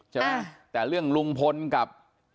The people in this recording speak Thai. ใช่ไหมแต่เรื่องลุงพลกับ